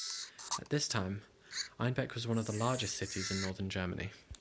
At this time Einbeck was one of largest cities in Northern Germany.